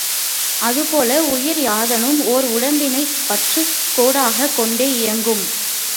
அதுபோல உயிர் யாதானும் ஓர் உடம்பினைப் பற்றுக் கோடாகக் கொண்டே இயங்கும்.